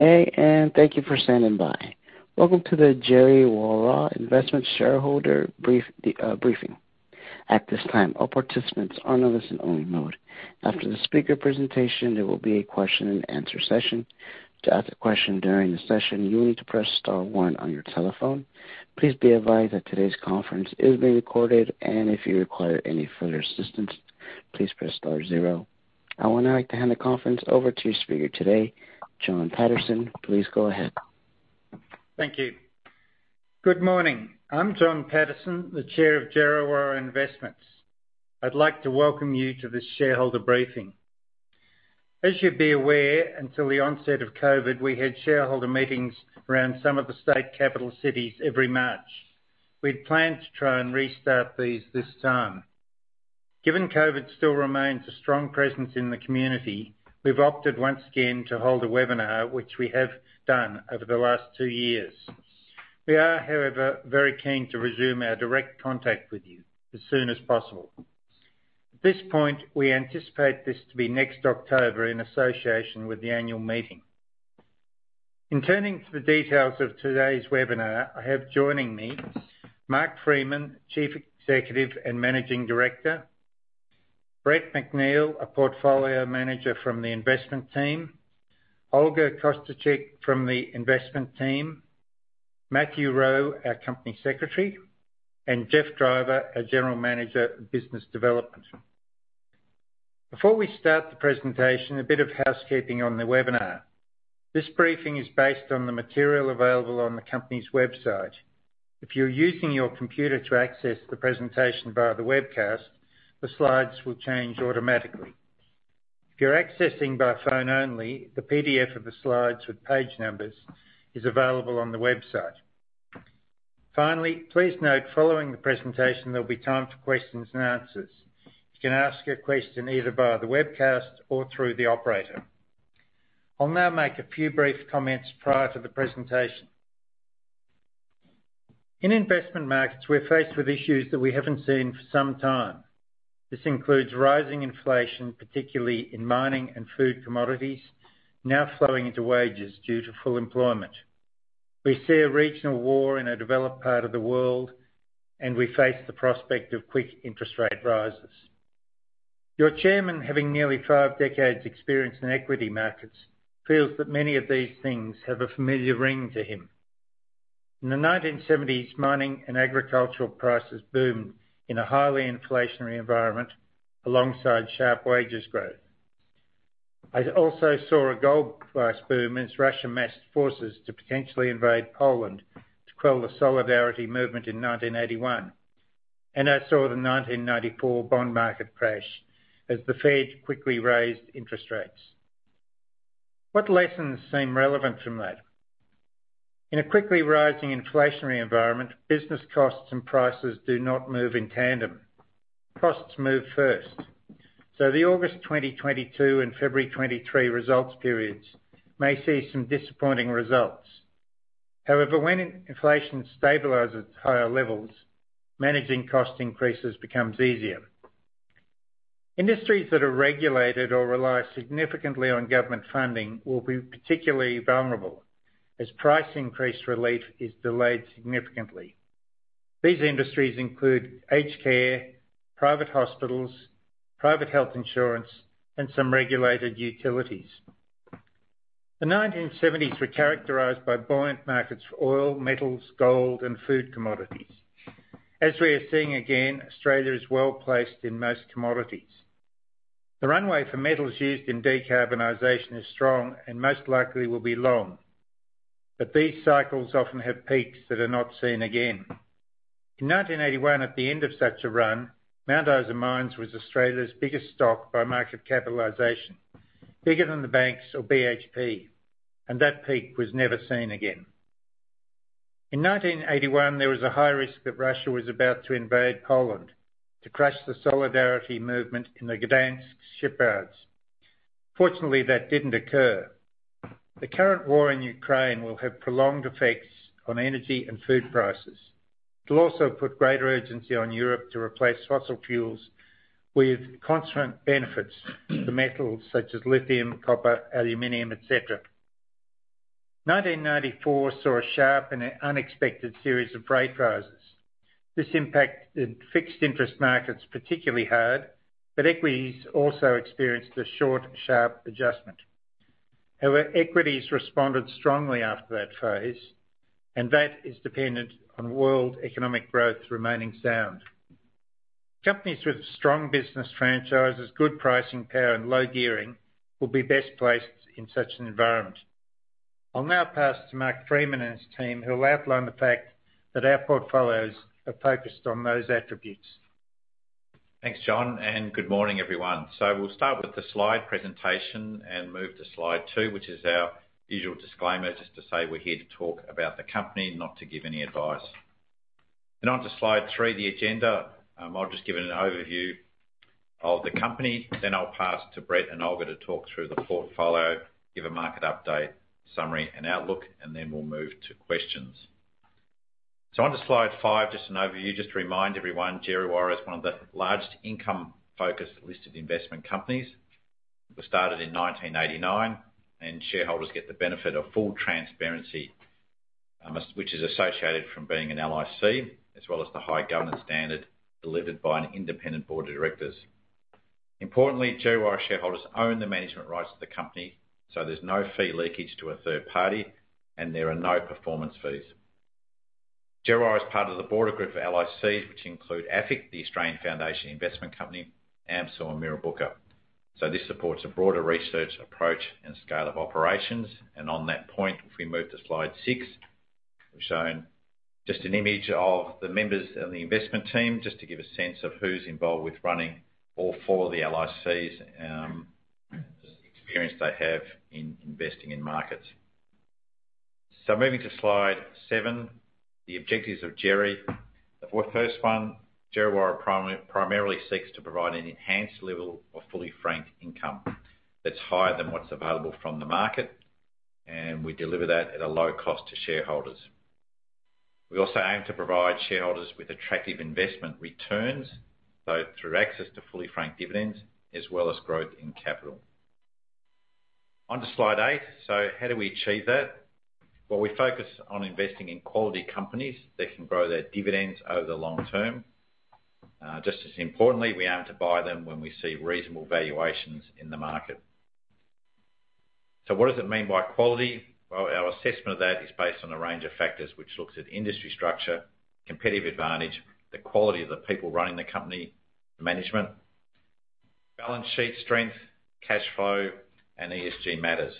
Welcome to the Djerriwarrh Investments shareholder briefing. At this time, all participants are on listen only mode. After the speaker presentation, there will be a question and answer session. To ask a question during the session, you will need to press star one on your telephone. Please be advised that today's conference is being recorded, and if you require any further assistance, please press star zero. I would like to hand the conference over to your speaker today, John Paterson. Please go ahead. Thank you. Good morning. I'm John Paterson, the Chair of Djerriwarrh Investments. I'd like to welcome you to this shareholder briefing. As you'd be aware, until the onset of COVID, we had shareholder meetings around some of the state capital cities every March. We'd planned to try and restart these this time. Given COVID still remains a strong presence in the community, we've opted once again to hold a webinar, which we have done over the last two years. We are, however, very keen to resume our direct contact with you as soon as possible. At this point, we anticipate this to be next October in association with the annual meeting. In turning to the details of today's webinar, I have joining me Mark Freeman, Chief Executive and Managing Director, Brett McNeill, a portfolio manager from the investment team, Olga Kosciuczyk from the investment team, Matthew Rowe, our company secretary, and Geoffrey Driver, a general manager of business development. Before we start the presentation, a bit of housekeeping on the webinar. This briefing is based on the material available on the company's website. If you're using your computer to access the presentation via the webcast, the slides will change automatically. If you're accessing by phone only, the PDF of the slides with page numbers is available on the website. Finally, please note, following the presentation, there'll be time for questions and answers. You can ask your question either via the webcast or through the operator. I'll now make a few brief comments prior to the presentation. In investment markets, we're faced with issues that we haven't seen for some time. This includes rising inflation, particularly in mining and food commodities, now flowing into wages due to full employment. We see a regional war in a developed part of the world, and we face the prospect of quick interest rate rises. Your chairman, having nearly five decades experience in equity markets, feels that many of these things have a familiar ring to him. In the 1970s, mining and agricultural prices boomed in a highly inflationary environment alongside sharp wages growth. I also saw a gold price boom as Russia massed forces to potentially invade Poland to quell the solidarity movement in 1981, and I saw the 1994 bond market crash as the Fed quickly raised interest rates. What lessons seem relevant from that? In a quickly rising inflationary environment, business costs and prices do not move in tandem. Costs move first. The August 2022 and February 2023 results periods may see some disappointing results. However, when inflation stabilizes at higher levels, managing cost increases becomes easier. Industries that are regulated or rely significantly on government funding will be particularly vulnerable as price increase relief is delayed significantly. These industries include aged care, private hospitals, private health insurance, and some regulated utilities. The 1970s were characterized by buoyant markets for oil, metals, gold, and food commodities. As we are seeing again, Australia is well-placed in most commodities. The runway for metals used in decarbonization is strong and most likely will be long. These cycles often have peaks that are not seen again. In 1981, at the end of such a run, Mount Isa Mines was Australia's biggest stock by market capitalization, bigger than the banks or BHP, and that peak was never seen again. In 1981, there was a high risk that Russia was about to invade Poland to crush the solidarity movement in the Gdańsk shipyards. Fortunately, that didn't occur. The current war in Ukraine will have prolonged effects on energy and food prices. It'll also put greater urgency on Europe to replace fossil fuels with consequent benefits for metals such as lithium, copper, aluminum, et cetera. 1994 saw a sharp and unexpected series of rate rises. This impacted fixed interest markets particularly hard, but equities also experienced a short, sharp adjustment. However, equities responded strongly after that phase, and that is dependent on world economic growth remaining sound. Companies with strong business franchises, good pricing power, and low gearing will be best placed in such an environment. I'll now pass to Mark Freeman and his team, who will outline the fact that our portfolios are focused on those attributes. Thanks, John, and good morning, everyone. We'll start with the slide presentation and move to slide 2, which is our usual disclaimer. Just to say we're here to talk about the company, not to give any advice. On to slide 3, the agenda. I'll just give an overview of the company, then I'll pass to Brett and Olga to talk through the portfolio, give a market update, summary and outlook, and then we'll move to questions. On to slide 5, just an overview just to remind everyone, Djerriwarrh is one of the largest income-focused listed investment companies. It was started in 1989, and shareholders get the benefit of full transparency, which is associated from being an LIC, as well as the high governance standard delivered by an independent board of directors. Importantly, Djerriwarrh shareholders own the management rights to the company, so there's no fee leakage to a third party, and there are no performance fees. Djerriwarrh is part of the broader group of LICs, which include AFIC, the Australian Foundation Investment Company, AMCIL, and Mirrabooka. This supports a broader research approach and scale of operations. On that point, if we move to slide 6, we've shown just an image of the members of the investment team, just to give a sense of who's involved with running all four of the LICs, just the experience they have in investing in markets. Moving to slide 7, the objectives of Djerriwarrh. The first one, Djerriwarrh primarily seeks to provide an enhanced level of fully franked income that's higher than what's available from the market, and we deliver that at a low cost to shareholders. We also aim to provide shareholders with attractive investment returns, both through access to fully franked dividends as well as growth in capital. On to slide 8. How do we achieve that? Well, we focus on investing in quality companies that can grow their dividends over the long term. Just as importantly, we aim to buy them when we see reasonable valuations in the market. What does it mean by quality? Well, our assessment of that is based on a range of factors, which looks at industry structure, competitive advantage, the quality of the people running the company, the management, balance sheet strength, cash flow, and ESG matters.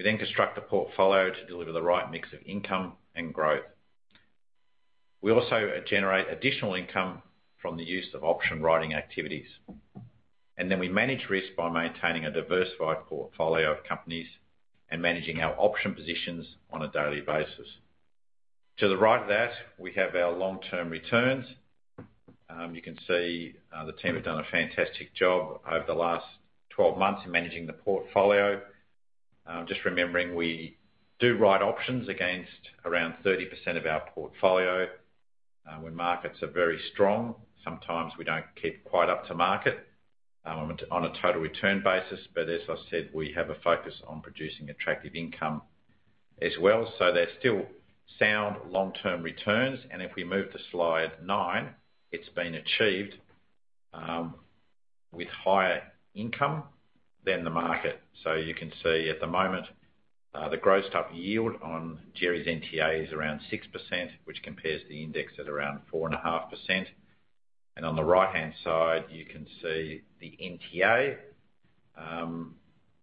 We then construct a portfolio to deliver the right mix of income and growth. We also generate additional income from the use of option writing activities. We manage risk by maintaining a diversified portfolio of companies and managing our option positions on a daily basis. To the right of that, we have our long-term returns. You can see, the team have done a fantastic job over the last 12 months in managing the portfolio. Just remembering we do write options against around 30% of our portfolio. When markets are very strong, sometimes we don't keep quite up to market, on a total return basis. As I said, we have a focus on producing attractive income as well. There's still sound long-term returns. If we move to slide 9, it's been achieved with higher income than the market. You can see at the moment, the grossed up yield on Djerriwarrh's NTA is around 6%, which compares to the index at around 4.5%. On the right-hand side, you can see the NTA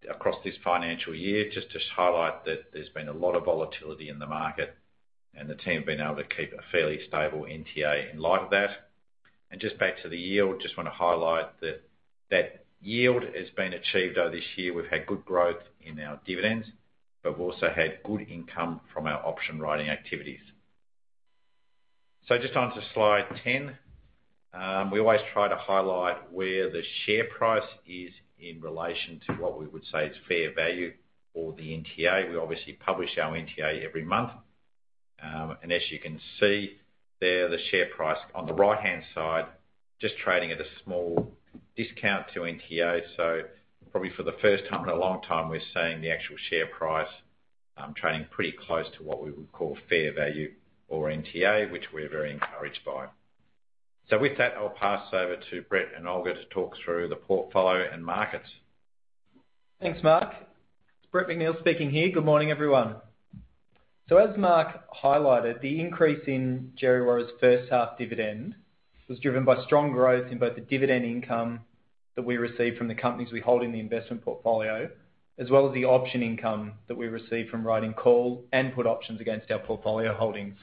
across this financial year, just to highlight that there's been a lot of volatility in the market and the team have been able to keep a fairly stable NTA in light of that. Just back to the yield, just wanna highlight that that yield has been achieved this year. We've had good growth in our dividends, but we've also had good income from our option writing activities. Just on to slide 10. We always try to highlight where the share price is in relation to what we would say is fair value for the NTA. We obviously publish our NTA every month. As you can see there, the share price on the right-hand side, just trading at a small discount to NTA. Probably for the first time in a long time, we're seeing the actual share price, trading pretty close to what we would call fair value or NTA, which we're very encouraged by. With that, I'll pass over to Brett and Olga to talk through the portfolio and markets. Thanks, Mark. It's Brett McNeill speaking here. Good morning, everyone. As Mark highlighted, the increase in Djerriwarrh's H1 dividend was driven by strong growth in both the dividend income that we receive from the companies we hold in the investment portfolio, as well as the option income that we receive from writing call and put options against our portfolio holdings.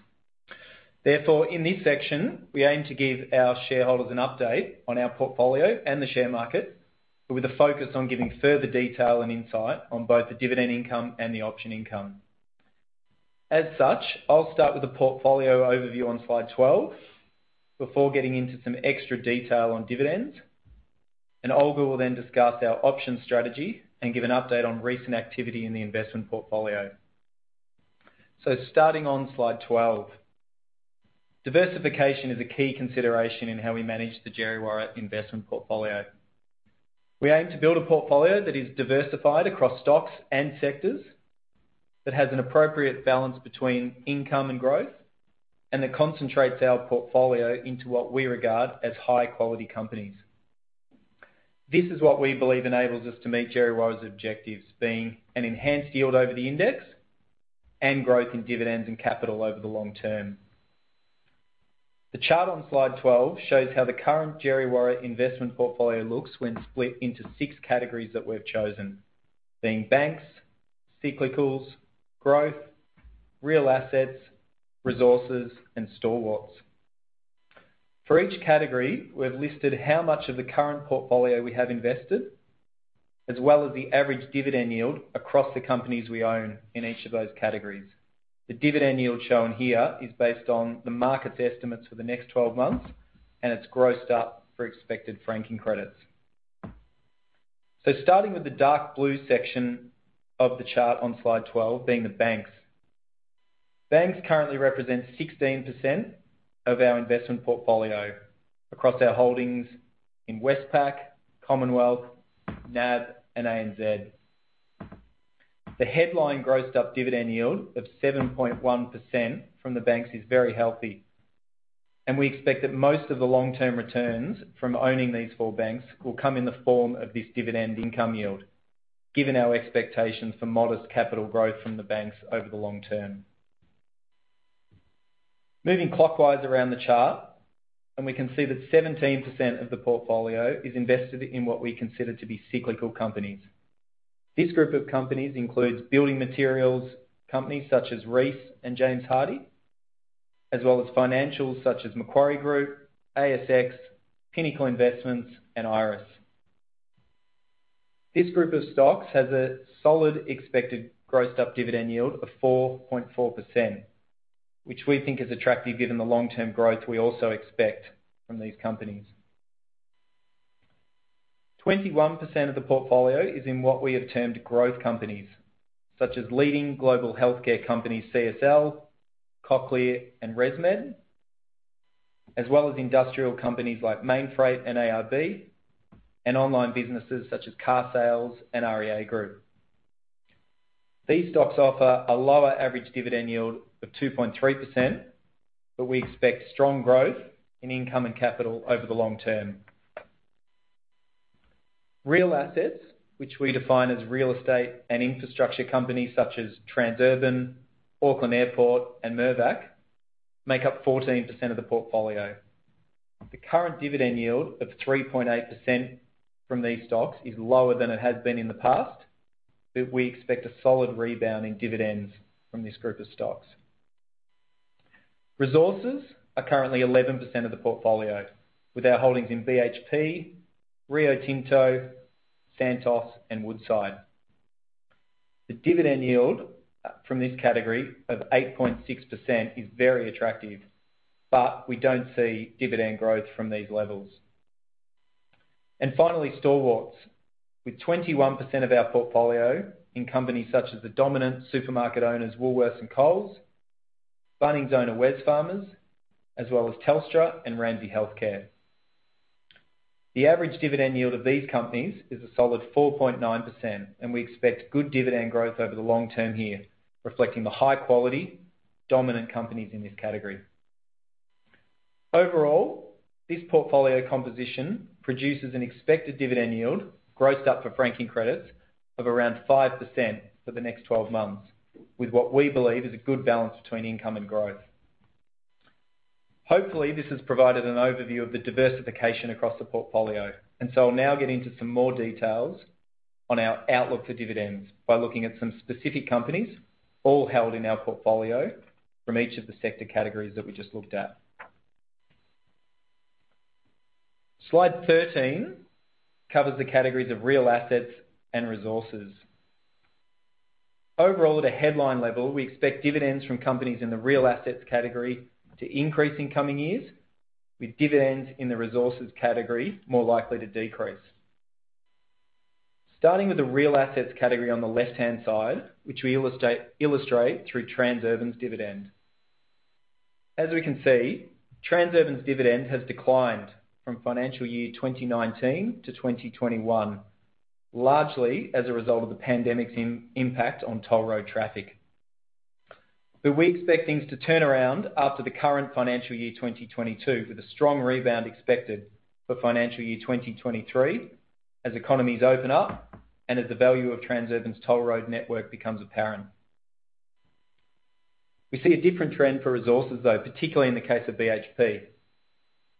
Therefore, in this section, we aim to give our shareholders an update on our portfolio and the share market, but with a focus on giving further detail and insight on both the dividend income and the option income. As such, I'll start with a portfolio overview on slide 12 before getting into some extra detail on dividends. Olga will then discuss our option strategy and give an update on recent activity in the investment portfolio. Starting on slide 12. Diversification is a key consideration in how we manage the Djerriwarrh investment portfolio. We aim to build a portfolio that is diversified across stocks and sectors, that has an appropriate balance between income and growth, and that concentrates our portfolio into what we regard as high-quality companies. This is what we believe enables us to meet Djerriwarrh's objectives, being an enhanced yield over the index and growth in dividends and capital over the long term. The chart on slide 12 shows how the current Djerriwarrh investment portfolio looks when split into six categories that we've chosen, being banks, cyclicals, growth, real assets, resources, and Stalwarts. For each category, we've listed how much of the current portfolio we have invested, as well as the average dividend yield across the companies we own in each of those categories. The dividend yield shown here is based on the market's estimates for the next 12 months, and it's grossed up for expected franking credits. Starting with the dark blue section of the chart on slide 12, being the banks. Banks currently represent 16% of our investment portfolio across our holdings in Westpac, Commonwealth, NAB, and ANZ. The headline grossed up dividend yield of 7.1% from the banks is very healthy, and we expect that most of the long-term returns from owning these four banks will come in the form of this dividend income yield, given our expectations for modest capital growth from the banks over the long term. Moving clockwise around the chart, we can see that 17% of the portfolio is invested in what we consider to be cyclical companies. This group of companies includes building materials companies such as Reece and James Hardie, as well as financials such as Macquarie Group, ASX, Pinnacle Investment Management, and Iress. This group of stocks has a solid expected grossed up dividend yield of 4.4%, which we think is attractive given the long-term growth we also expect from these companies. 21% of the portfolio is in what we have termed growth companies, such as leading global healthcare companies CSL, Cochlear, and ResMed, as well as industrial companies like Mainfreight and ARB, and online businesses such as carsales and REA Group. These stocks offer a lower average dividend yield of 2.3%, but we expect strong growth in income and capital over the long term. Real assets, which we define as real estate and infrastructure companies such as Transurban, Auckland Airport, and Mirvac, make up 14% of the portfolio. The current dividend yield of 3.8% from these stocks is lower than it has been in the past, but we expect a solid rebound in dividends from this group of stocks. Resources are currently 11% of the portfolio, with our holdings in BHP, Rio Tinto, Santos, and Woodside. The dividend yield from this category of 8.6% is very attractive, but we don't see dividend growth from these levels. Finally, Stalwarts, with 21% of our portfolio in companies such as the dominant supermarket owners Woolworths and Coles, Bunnings owner Wesfarmers, as well as Telstra and Ramsay Health Care. The average dividend yield of these companies is a solid 4.9%, and we expect good dividend growth over the long term here, reflecting the high quality dominant companies in this category. Overall, this portfolio composition produces an expected dividend yield grossed up for franking credits of around 5% for the next 12 months, with what we believe is a good balance between income and growth. Hopefully, this has provided an overview of the diversification across the portfolio, and so I'll now get into some more details on our outlook for dividends by looking at some specific companies all held in our portfolio from each of the sector categories that we just looked at. Slide 13 covers the categories of real assets and resources. Overall, at a headline level, we expect dividends from companies in the real assets category to increase in coming years, with dividends in the resources category more likely to decrease. Starting with the real assets category on the left-hand side, which we illustrate through Transurban's dividend. As we can see, Transurban's dividend has declined from financial year 2019-2021, largely as a result of the pandemic's impact on toll road traffic. We expect things to turn around after the current financial year 2022, with a strong rebound expected for financial year 2023 as economies open up and as the value of Transurban's toll road network becomes apparent. We see a different trend for resources, though, particularly in the case of BHP.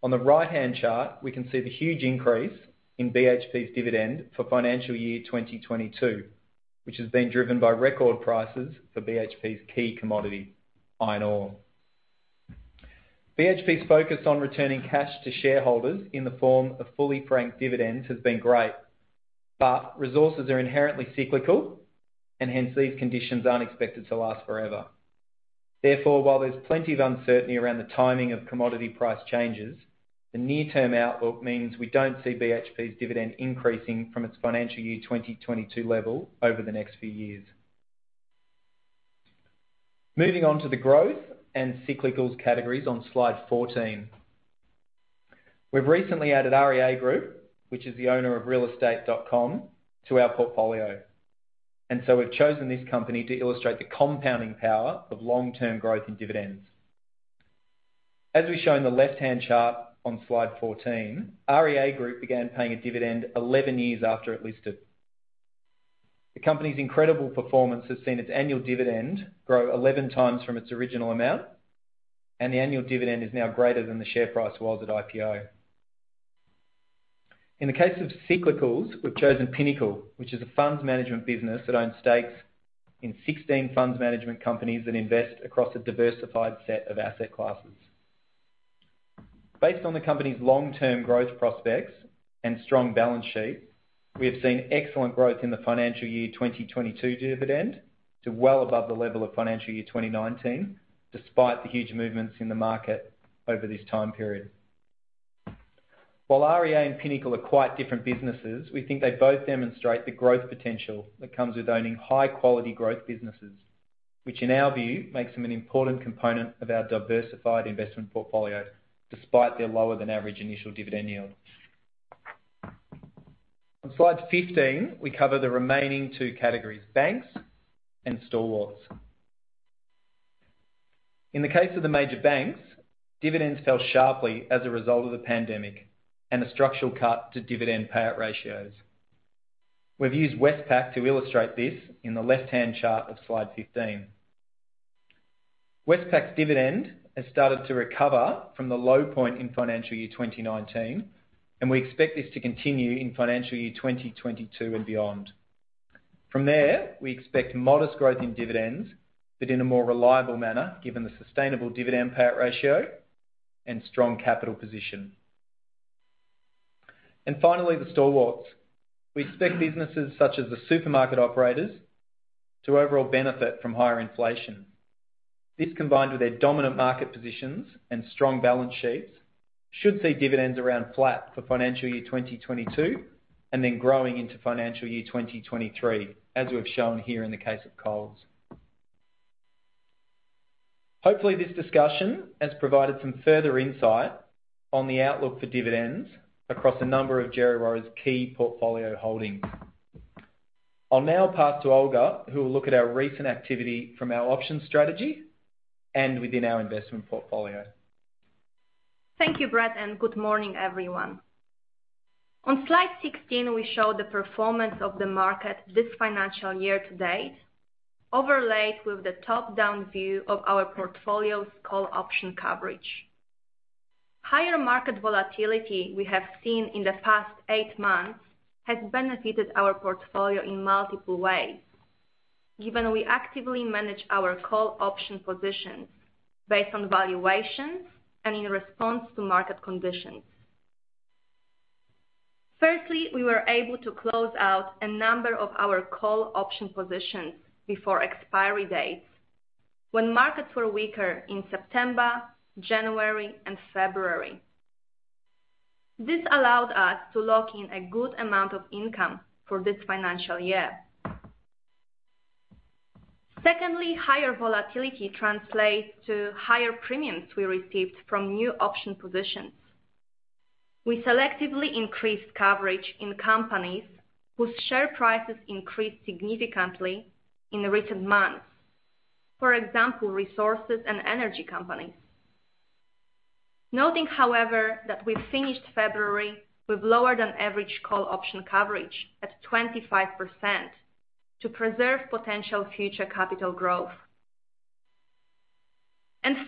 On the right-hand chart, we can see the huge increase in BHP's dividend for financial year 2022, which has been driven by record prices for BHP's key commodity, iron ore. BHP's focus on returning cash to shareholders in the form of fully franked dividends has been great, but resources are inherently cyclical, and hence these conditions aren't expected to last forever. Therefore, while there's plenty of uncertainty around the timing of commodity price changes, the near-term outlook means we don't see BHP's dividend increasing from its financial year 2022 level over the next few years. Moving on to the growth and cyclicals categories on slide 14. We've recently added REA Group, which is the owner of realestate.com, to our portfolio, and so we've chosen this company to illustrate the compounding power of long-term growth in dividends. As we show in the left-hand chart on slide 14, REA Group began paying a dividend 11 years after it listed. The company's incredible performance has seen its annual dividend grow 11 times from its original amount, and the annual dividend is now greater than the share price was at IPO. In the case of cyclicals, we've chosen Pinnacle, which is a funds management business that owns stakes in 16 funds management companies that invest across a diversified set of asset classes. Based on the company's long-term growth prospects and strong balance sheet, we have seen excellent growth in the financial year 2022 dividend to well above the level of financial year 2019, despite the huge movements in the market over this time period. While REA and Pinnacle are quite different businesses, we think they both demonstrate the growth potential that comes with owning high-quality growth businesses, which in our view, makes them an important component of our diversified investment portfolio despite their lower than average initial dividend yield. On slide 15, we cover the remaining two categories: banks and Stalwarts. In the case of the major banks, dividends fell sharply as a result of the pandemic and a structural cut to dividend payout ratios. We've used Westpac to illustrate this in the left-hand chart of slide 15. Westpac's dividend has started to recover from the low point in financial year 2019, and we expect this to continue in financial year 2022 and beyond. From there, we expect modest growth in dividends, but in a more reliable manner, given the sustainable dividend payout ratio and strong capital position. Finally, the Stalwarts. We expect businesses such as the supermarket operators to overall benefit from higher inflation. This, combined with their dominant market positions and strong balance sheets, should see dividends around flat for financial year 2022, and then growing into financial year 2023, as we've shown here in the case of Coles. Hopefully, this discussion has provided some further insight on the outlook for dividends across a number of Djerriwarrh's key portfolio holdings. I'll now pass to Olga, who will look at our recent activity from our option strategy and within our investment portfolio. Thank you, Brett, and good morning, everyone. On slide 16, we show the performance of the market this financial year to date, overlaid with the top-down view of our portfolio's call option coverage. Higher market volatility we have seen in the past eight months has benefited our portfolio in multiple ways, given we actively manage our call option positions based on valuations and in response to market conditions. Firstly, we were able to close out a number of our call option positions before expiry dates when markets were weaker in September, January, and February. This allowed us to lock in a good amount of income for this financial year. Secondly, higher volatility translates to higher premiums we received from new option positions. We selectively increased coverage in companies whose share prices increased significantly in the recent months. For example, resources and energy companies. Noting, however, that we've finished February with lower than average call option coverage at 25% to preserve potential future capital growth.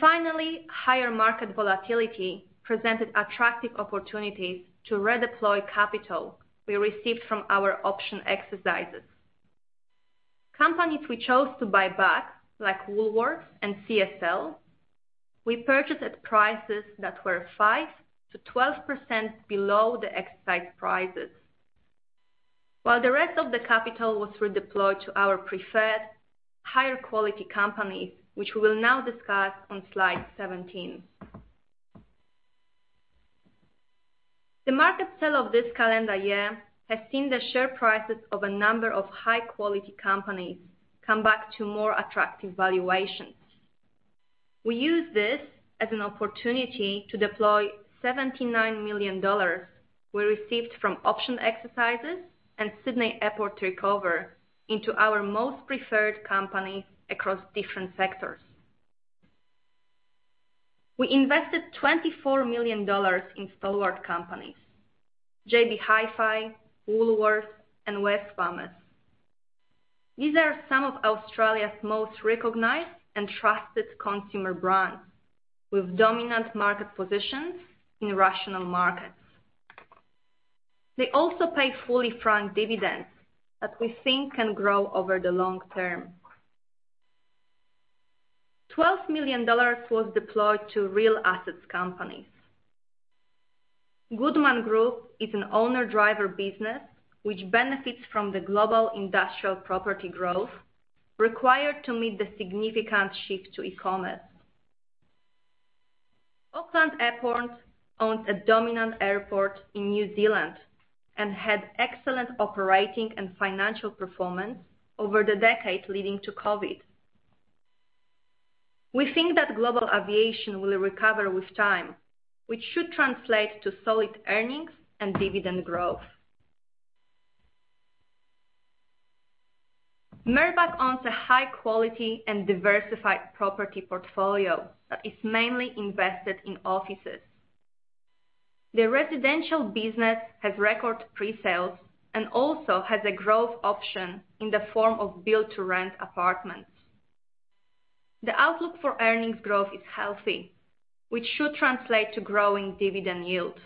Finally, higher market volatility presented attractive opportunities to redeploy capital we received from our option exercises. Companies we chose to buy back, like Woolworths and CSL, we purchased at prices that were 5-12% below the exercise prices, while the rest of the capital was redeployed to our preferred higher quality companies, which we will now discuss on slide 17. The market sell-off of this calendar year has seen the share prices of a number of high-quality companies come back to more attractive valuations. We use this as an opportunity to deploy 79 million dollars we received from option exercises and Sydney Airport recovery into our most preferred companies across different sectors. We invested AUD 24 million in Stalwarts, JB Hi-Fi, Woolworths, and Wesfarmers. These are some of Australia's most recognized and trusted consumer brands with dominant market positions in rational markets. They also pay fully frank dividends that we think can grow over the long term. 12 million dollars was deployed to real assets companies. Goodman Group is an owner-driver business which benefits from the global industrial property growth required to meet the significant shift to e-commerce. Auckland Airport owns a dominant airport in New Zealand and had excellent operating and financial performance over the decade leading to COVID. We think that global aviation will recover with time, which should translate to solid earnings and dividend growth. Mirvac owns a high quality and diversified property portfolio that is mainly invested in offices. Their residential business has record pre-sales and also has a growth option in the form of build-to-rent apartments. The outlook for earnings growth is healthy, which should translate to growing dividend yield.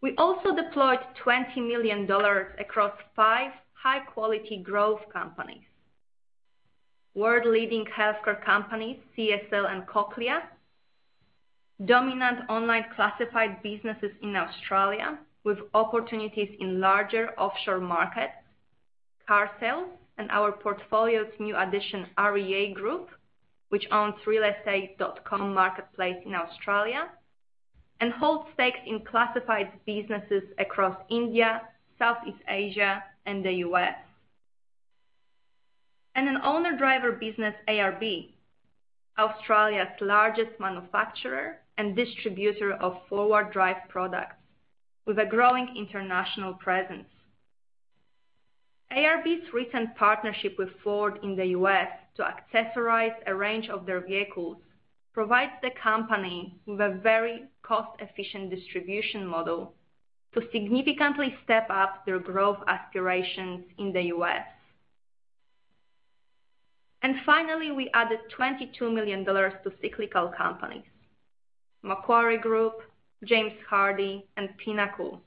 We also deployed 20 million dollars across five high-quality growth companies. World-leading healthcare companies, CSL and Cochlear, dominant online classified businesses in Australia with opportunities in larger offshore markets, carsales and our portfolio's new addition, REA Group, which owns realestate.com.au marketplace in Australia, and holds stakes in classified businesses across India, Southeast Asia, and the U.S. An owner-driver business, ARB, Australia's largest manufacturer and distributor of 4x accessories with a growing international presence. ARB's recent partnership with Ford in the U.S. to accessorize a range of their vehicles provides the company with a very cost-efficient distribution model to significantly step up their growth aspirations in the U.S. Finally, we added 22 million dollars to cyclical companies, Macquarie Group, James Hardie, and Pinnacle,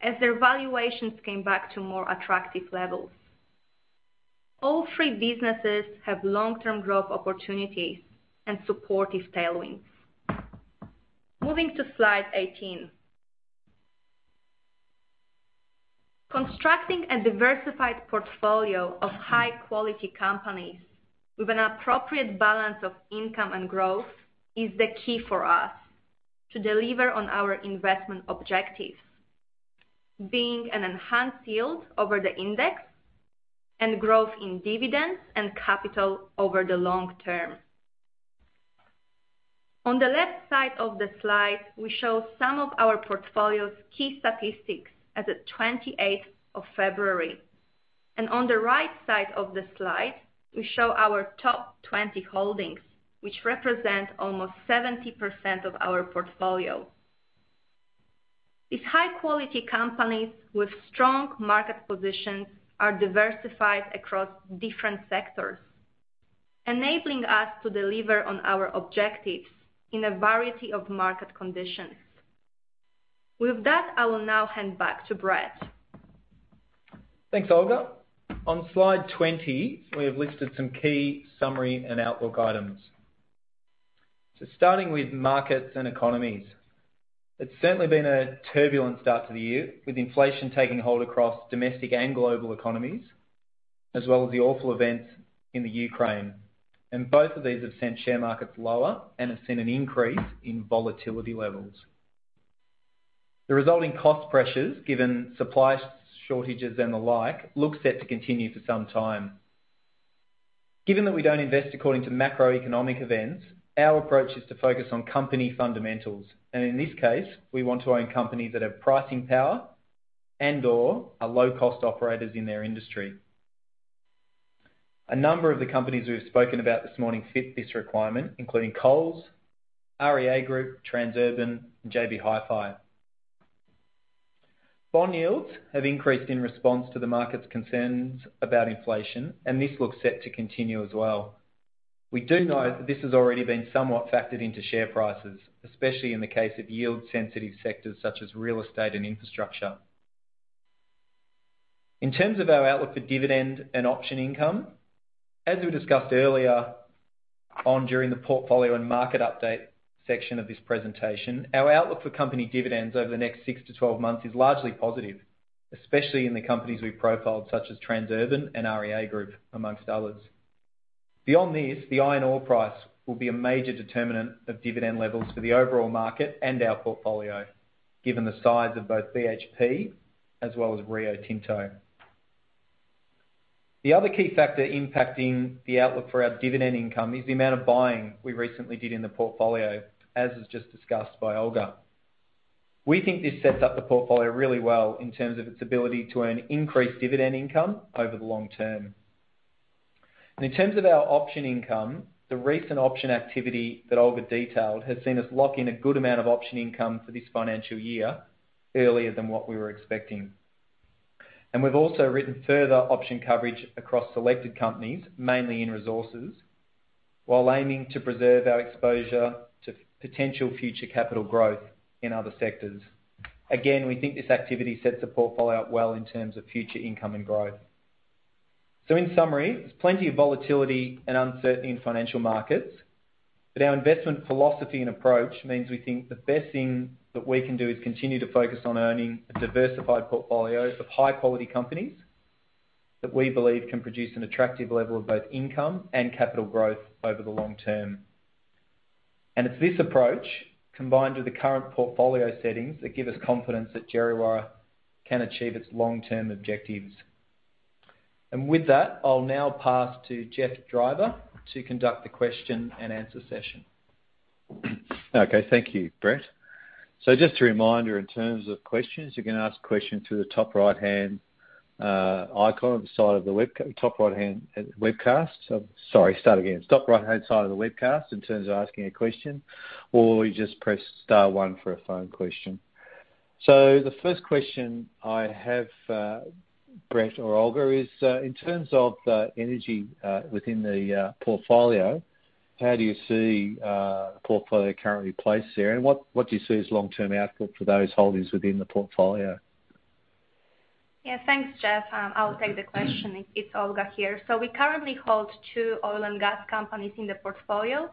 as their valuations came back to more attractive levels. All three businesses have long-term growth opportunities and supportive tailwinds. Moving to slide 18. Constructing a diversified portfolio of high-quality companies with an appropriate balance of income and growth is the key for us to deliver on our investment objectives, being an enhanced yield over the index and growth in dividends and capital over the long term. On the left side of the slide, we show some of our portfolio's key statistics as at 28th of February. On the right side of the slide, we show our top 20 holdings, which represent almost 70% of our portfolio. These high-quality companies with strong market positions are diversified across different sectors, enabling us to deliver on our objectives in a variety of market conditions. With that, I will now hand back to Brett McNeill. Thanks, Olga. On slide 20, we have listed some key summary and outlook items. Starting with markets and economies. It's certainly been a turbulent start to the year, with inflation taking hold across domestic and global economies, as well as the awful events in Ukraine. Both of these have sent share markets lower and have seen an increase in volatility levels. The resulting cost pressures, given supply shortages and the like, look set to continue for some time. Given that we don't invest according to macroeconomic events, our approach is to focus on company fundamentals. In this case, we want to own companies that have pricing power and/or are low-cost operators in their industry. A number of the companies we've spoken about this morning fit this requirement, including Coles, REA Group, Transurban, and JB Hi-Fi. Bond yields have increased in response to the market's concerns about inflation, and this looks set to continue as well. We do know that this has already been somewhat factored into share prices, especially in the case of yield-sensitive sectors such as real estate and infrastructure. In terms of our outlook for dividend and option income, as we discussed earlier on during the portfolio and market update section of this presentation, our outlook for company dividends over the next six-12 months is largely positive, especially in the companies we profiled, such as Transurban and REA Group, amongst others. Beyond this, the iron ore price will be a major determinant of dividend levels for the overall market and our portfolio, given the size of both BHP as well as Rio Tinto. The other key factor impacting the outlook for our dividend income is the amount of buying we recently did in the portfolio, as was just discussed by Olga. We think this sets up the portfolio really well in terms of its ability to earn increased dividend income over the long term. In terms of our option income, the recent option activity that Olga detailed has seen us lock in a good amount of option income for this financial year earlier than what we were expecting. We've also written further option coverage across selected companies, mainly in resources, while aiming to preserve our exposure to potential future capital growth in other sectors. Again, we think this activity sets the portfolio up well in terms of future income and growth. In summary, there's plenty of volatility and uncertainty in financial markets, but our investment philosophy and approach means we think the best thing that we can do is continue to focus on earning a diversified portfolio of high-quality companies that we believe can produce an attractive level of both income and capital growth over the long term. It's this approach, combined with the current portfolio settings, that give us confidence that Djerriwarrh can achieve its long-term objectives. With that, I'll now pass to Geoffrey Driver to conduct the question and answer session. Okay. Thank you, Brett. Just a reminder in terms of questions, you can ask questions through the top right-hand side of the webcast in terms of asking a question, or you just press star one for a phone question. The first question I have, Brett or Olga, is, in terms of energy, within the portfolio, how do you see the portfolio currently placed there? And what do you see as long-term outlook for those holdings within the portfolio? Yeah. Thanks, Geoffrey Driver. I'll take the question. It's Olga Kosciuczyk here. We currently hold two oil and gas companies in the portfolio.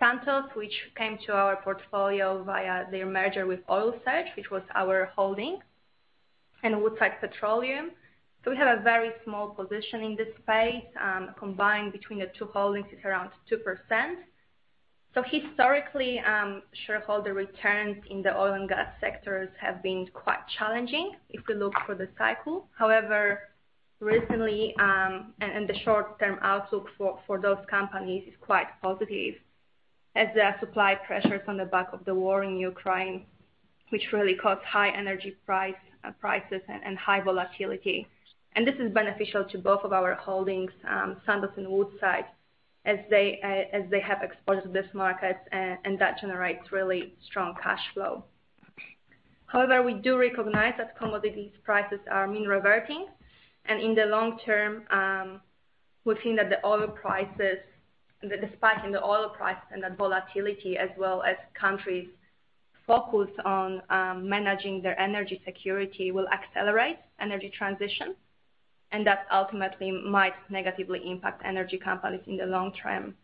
Santos, which came to our portfolio via their merger with Oil Search, which was our holding, and Woodside Petroleum. We have a very small position in this space, combined between the two holdings is around 2%. Historically, shareholder returns in the oil and gas sectors have been quite challenging if we look over the cycle. However, recently, and the short-term outlook for those companies is quite positive as there are supply pressures on the back of the war in Ukraine, which really caused high energy prices and high volatility. This is beneficial to both of our holdings, Santos and Woodside, as they have exposed this market, and that generates really strong cash flow. However, we do recognize that commodities prices are mean reverting, and in the long term, we've seen that the spike in the oil price and the volatility, as well as countries focus on managing their energy security, will accelerate energy transition, and that ultimately might negatively impact energy companies in the long term.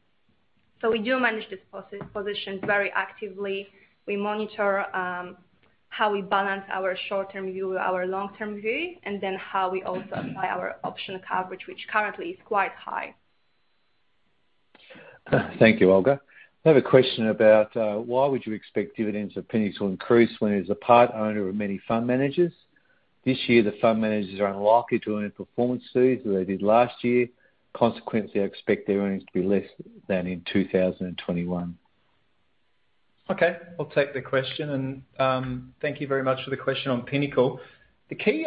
We do manage this position very actively. We monitor how we balance our short-term view with our long-term view, and then how we also apply our option coverage, which currently is quite high. Thank you, Olga. I have a question about why would you expect dividends of Pinnacle to increase when it is a part owner of many fund managers? This year, the fund managers are unlikely to earn performance fees as they did last year. Consequently, I expect their earnings to be less than in 2021. Okay. I'll take the question, and thank you very much for the question on Pinnacle. The key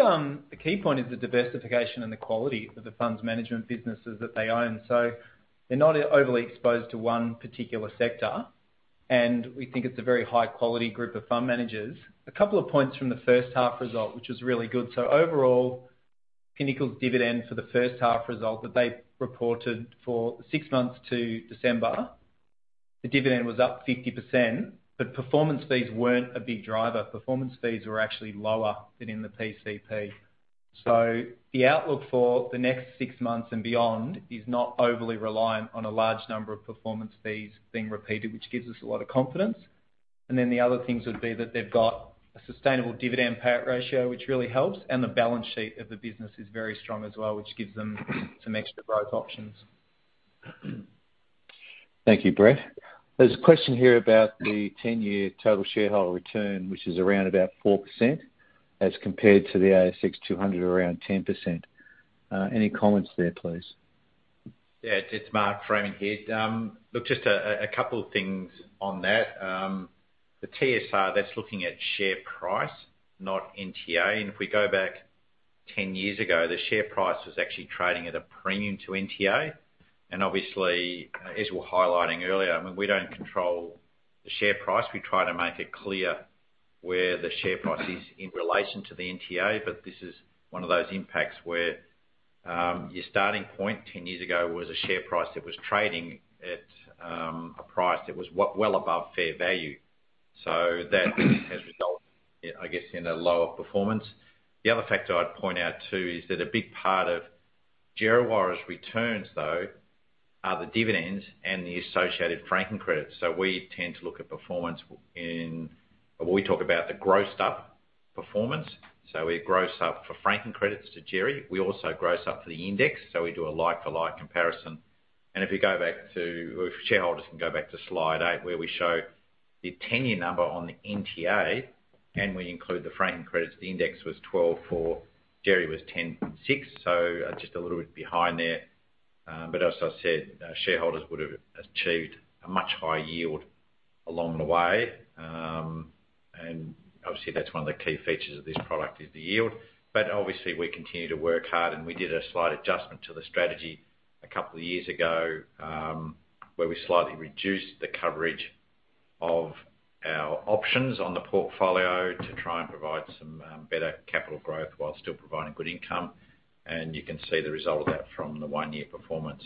point is the diversification and the quality of the funds management businesses that they own. They're not overly exposed to one particular sector, and we think it's a very high quality group of fund managers. A couple of points from the H1 result, which was really good. Overall, Pinnacle's dividend for the H1 result that they reported for six months to December, the dividend was up 50%, but performance fees weren't a big driver. Performance fees were actually lower than in the PCP. The outlook for the next six months and beyond is not overly reliant on a large number of performance fees being repeated, which gives us a lot of confidence. The other things would be that they've got a sustainable dividend payout ratio, which really helps, and the balance sheet of the business is very strong as well, which gives them some extra growth options. Thank you, Brett. There's a question here about the ten-year total shareholder return, which is around about 4% as compared to the ASX 200 around 10%. Any comments there, please? Yeah. It's Mark Freeman here. Look, just a couple of things on that. The TSR, that's looking at share price, not NTA. If we go back 10 years ago, the share price was actually trading at a premium to NTA. Obviously, as we're highlighting earlier, I mean, we don't control the share price. We try to make it clear where the share price is in relation to the NTA, but this is one of those impacts where your starting point 10 years ago was a share price that was trading at a price that was well above fair value. So that has resulted, I guess, in a lower performance. The other factor I'd point out too is that a big part of Djerriwarrh's returns though are the dividends and the associated franking credits. So we tend to look at performance in... We talk about the grossed up performance. We gross up for franking credits to Djerriwarrh. We also gross up for the index, so we do a like-for-like comparison. If shareholders can go back to slide 8, where we show the 10-year number on the NTA, and we include the franking credits, the index was 12.4%, Djerriwarrh was 10.6%, so just a little bit behind there. But as I said, shareholders would have achieved a much higher yield along the way. Obviously, that's one of the key features of this product is the yield. Obviously, we continue to work hard, and we did a slight adjustment to the strategy a couple of years ago, where we slightly reduced the coverage of our options on the portfolio to try and provide some better capital growth while still providing good income. You can see the result of that from the one-year performance.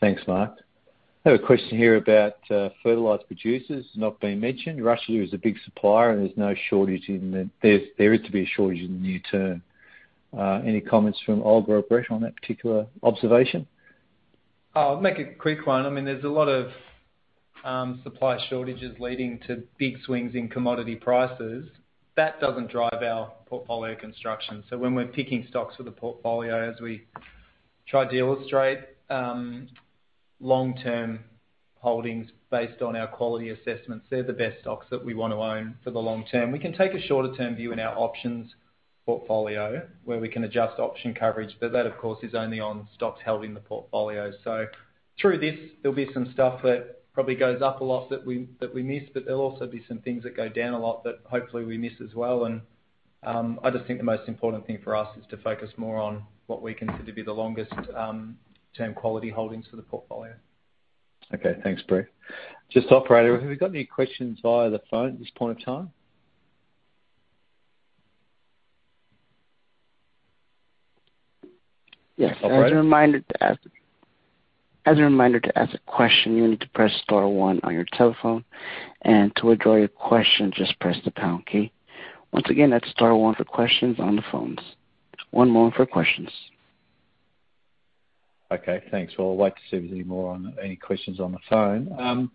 Thanks, Mark. I have a question here about fertilizer producers not being mentioned. Russia is a big supplier, and there is to be a shortage in the near term. Any comments from Olga or Brett on that particular observation? I'll make a quick one. I mean, there's a lot of supply shortages leading to big swings in commodity prices. That doesn't drive our portfolio construction. When we're picking stocks for the portfolio, as we try to illustrate, long-term holdings based on our quality assessments, they're the best stocks that we wanna own for the long term. We can take a shorter-term view in our options portfolio, where we can adjust option coverage, but that, of course, is only on stocks held in the portfolio. Through this, there'll be some stuff that probably goes up a lot that we miss, but there'll also be some things that go down a lot that hopefully we miss as well, and I just think the most important thing for us is to focus more on what we consider to be the longest term quality holdings for the portfolio. Okay. Thanks, Brett. Just operator, have we got any questions via the phone at this point in time? Yes. As a reminder to ask a question, you need to press star one on your telephone, and to withdraw your question, just press the pound key. Once again, that's star one for questions on the phones. One more for questions. Okay, thanks. Well, I'll wait to see if there's any questions on the phone.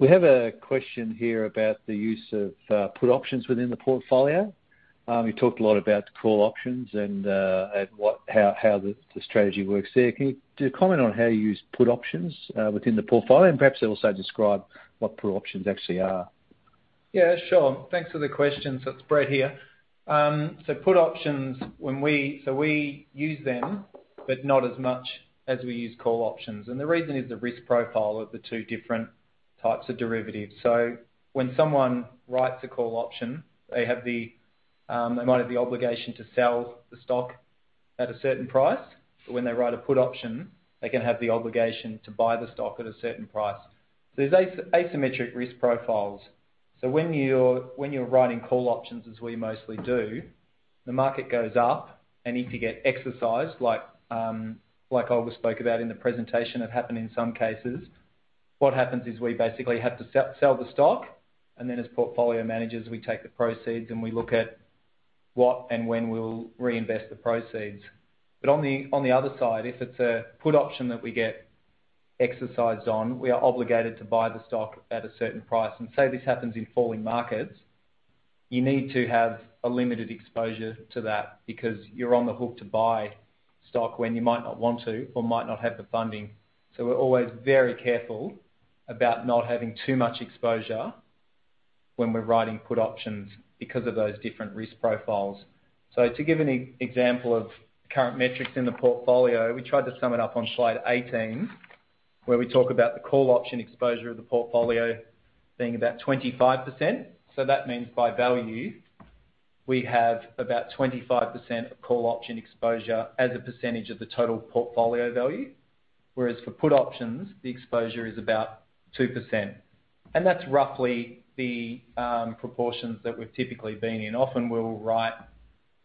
We have a question here about the use of put options within the portfolio. You talked a lot about the call options and how the strategy works there. Can you just comment on how you use put options within the portfolio? Perhaps also describe what put options actually are. Yeah, sure. Thanks for the question. It's Brett here. Put options when we use them, but not as much as we use call options. The reason is the risk profile of the two different types of derivatives. When someone writes a call option, they have the, they might have the obligation to sell the stock at a certain price. When they write a put option, they can have the obligation to buy the stock at a certain price. There's asymmetric risk profiles. When you're writing call options, as we mostly do, the market goes up and they need to get exercised, like Olga spoke about in the presentation, have happened in some cases. What happens is we basically have to sell the stock, and then as portfolio managers, we take the proceeds, and we look at what and when we'll reinvest the proceeds. On the other side, if it's a put option that we get exercised on, we are obligated to buy the stock at a certain price. Say, this happens in falling markets, you need to have a limited exposure to that because you're on the hook to buy stock when you might not want to or might not have the funding. We're always very careful about not having too much exposure when we're writing put options because of those different risk profiles. To give an example of current metrics in the portfolio, we tried to sum it up on slide 18, where we talk about the call option exposure of the portfolio being about 25%. That means by value, we have about 25% of call option exposure as a percentage of the total portfolio value. Whereas for put options, the exposure is about 2%. That's roughly the proportions that we've typically been in. Often, we'll write